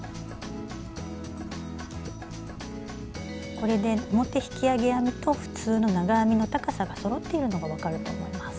これで表引き上げ編みと普通の長編みの高さがそろっているのが分かると思います。